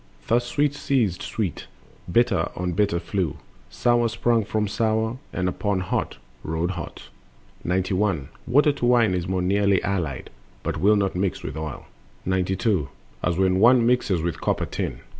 Thus Sweet seized Sweet, Bitter on Bitter flew, Sour sprung for Sour, and upon Hot rode hot. 91. Water to wine more nearly is allied, But will not mix with oil. 92. As when one mixes with the copper tin.